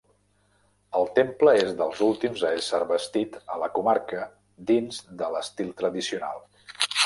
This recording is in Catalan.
El temple és dels últims a ésser bastit a la comarca dins de l'estil tradicional.